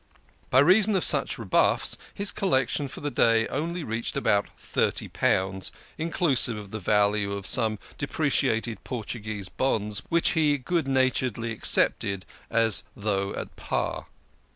By reason of such rebuffs, his collection for the day only reached about thirty pounds, inclusive of the value of some depreciated Portuguese bonds which he good naturedly accepted as though at par.